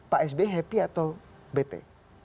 pak sby happy atau bete